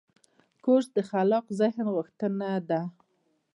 کورس د خلاق ذهن غوښتنه ده.